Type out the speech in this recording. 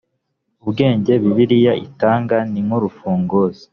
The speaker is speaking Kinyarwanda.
ubwenge bibiliya itanga ni nk urufunguzo.